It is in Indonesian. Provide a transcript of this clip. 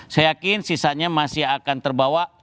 saya yakin sisanya masih akan terbawa